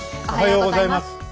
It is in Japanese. おはようございます。